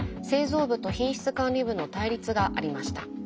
製造部と品質管理部の対立がありました。